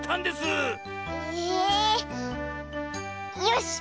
よし！